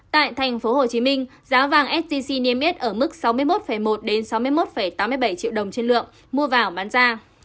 tại tp hcm giá vàng sgc niêm yết ở mức sáu mươi một một sáu mươi một tám mươi bảy triệu đồng trên lượng mua vào bán ra